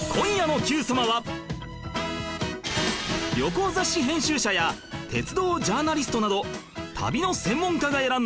旅行雑誌編集者や鉄道ジャーナリストなど旅の専門家が選んだ！